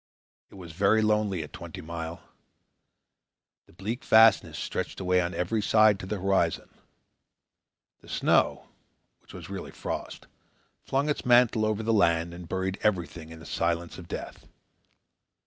It was very lonely at Twenty Mile. The bleak vastness stretched away on every side to the horizon. The snow, which was really frost, flung its mantle over the land and buried everything in the silence of death.